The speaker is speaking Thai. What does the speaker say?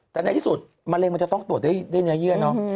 แต่ในที่สุดมะเร็งมันจะต้องตรวจได้เนื้อเยื่อเนาะ